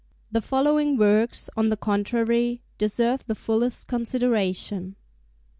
The following works, on the contrary, deserve the fullest consideration.